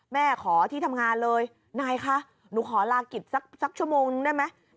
ขอที่ทำงานเลยนายคะหนูขอลากิจสักชั่วโมงนึงได้ไหม